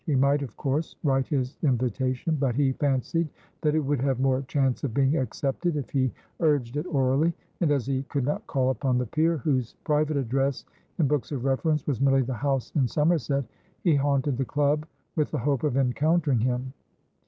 He might of course write his invitation, but he fancied that it would have more chance of being accepted if he urged it orally, and, as he could not call upon the peer (whose private address, in books of reference, was merely the house in Somerset), he haunted the club with the hope of encountering him.